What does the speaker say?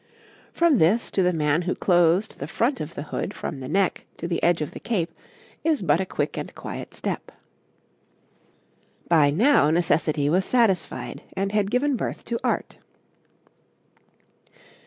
From this to the man who closed the front of the hood from the neck to the edge of the cape is but a quick and quiet step. By now necessity was satisfied and had given birth to art.